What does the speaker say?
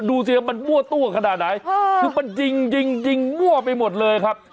ดูสิครับมันมั่วตัวขนาดไหนคือมันยิงยิงมั่วไปหมดเลยครับ